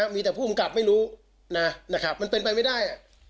มันเป็นไปไม่ได้